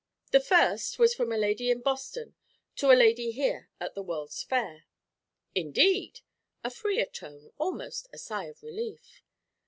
'The first was from a lady in Boston to a lady here at the World's Fair.' 'Indeed!' A freer tone, almost a sigh of relief.